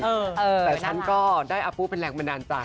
แต่ฉันก็ได้อภูมิเป็นแหล่งแม่นดาลใจ